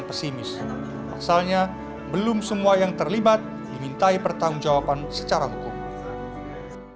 pesimis soalnya belum semua yang terlibat dimintai pertanggungjawaban secara hukum